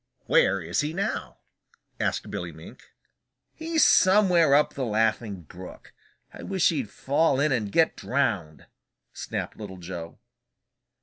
"Where is he now?" asked Billy Mink. "He's somewhere up the Laughing Brook. I wish he'd fall in and get drowned!" snapped Little Joe.